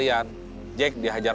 tapi juga jalanan dan pasar